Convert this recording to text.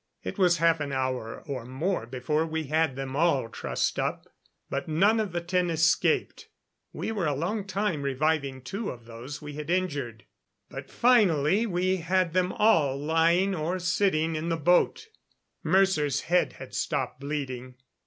It was half an hour or more before we had them all trussed up, but none of the ten escaped. We were a long time reviving two of those we had injured, but finally we had them all lying or sitting in the boat. Mercer's head had stopped bleeding.